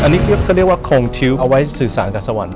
อันนี้คือเขาเรียกว่าคงทิ้วเอาไว้สื่อสารกับสวรรค